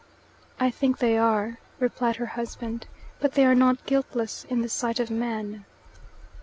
"I think they are," replied her husband. "But they are not guiltless in the sight of man."